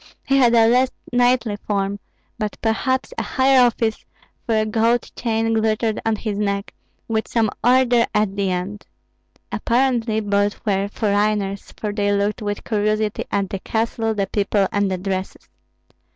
He had a less knightly form, but perhaps a higher office, for a gold chain glittered on his neck, with some order at the end. Apparently both were foreigners, for they looked with curiosity at the castle, the people, and the dresses.